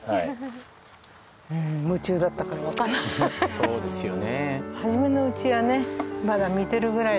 そうですよね。